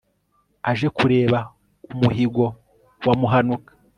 aje kureba umuhigo wa muhanuka